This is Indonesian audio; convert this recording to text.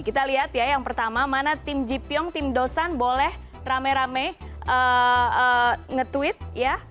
kita lihat ya yang pertama mana tim jipiong tim dosan boleh rame rame nge tweet ya